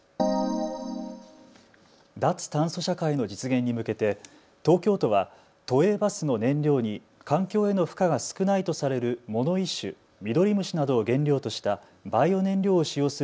脱炭素社会の実現に向けて東京都は都営バスの燃料に環境への負荷が少ないとされる藻の一種、ミドリムシなどを原料としたバイオ燃料を使用する